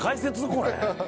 これ。